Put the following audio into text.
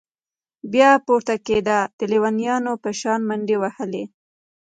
بيا پورته كېده د ليونيانو په شان منډې وهلې.